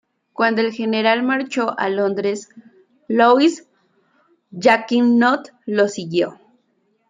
Cuando el general marchó a Londres, Louis Jacquinot lo siguió.